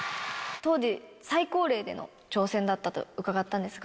当時、最高齢での挑戦だったと伺ったんですが。